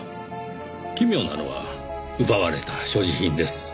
奇妙なのは奪われた所持品です。